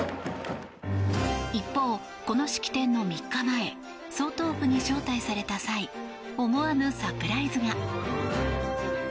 一方、この式典の３日前総統府に招待された際思わぬサプライズが。